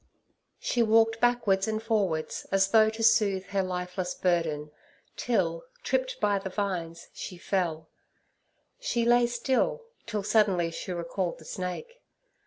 She walked backwards and forwards, as though to soothe her lifeless burden, till, tripped by the vines, she fell. She lay still, till suddenly she recalled the snake.